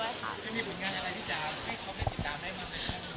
จะมีผลงานอะไรที่จะมีครบในติดตามได้มากมายค่ะ